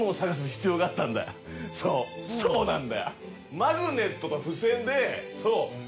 そうそうなんだよ。